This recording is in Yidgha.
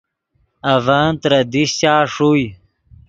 اڤن ترے دیشچا ݰوئے